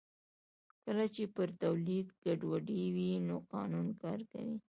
کله چې پر تولید ګډوډي وي نو قانون کار کوي